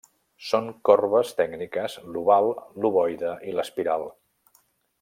Són corbes tècniques l'oval, l'ovoide i l'espiral.